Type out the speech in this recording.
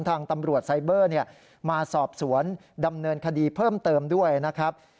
ทางตำรวจไซเบอร์มาสอบสวนดำเนินคดีเพิ่มเติมด้วยนะครับ